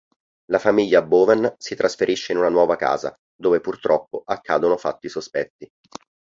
La famiglia Bowen si trasferisce in una nuova casa, dove purtroppo accadono fatti sospetti.